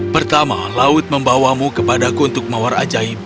pertama laut membawamu kepadaku untuk mawar ajaib